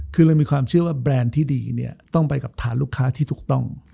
คือเรามีความเชื่อว่าแบรนด์ที่ดีเนี่ยต้องไปกับทานลูกค้าที่ถูกต้อง